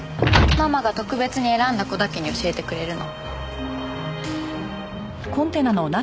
ママが特別に選んだ子だけに教えてくれるの。